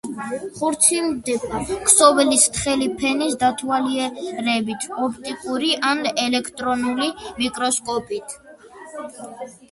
ხორციელდება ქსოვილის თხელი ფენის დათვალიერებით ოპტიკური ან ელექტრონული მიკროსკოპით.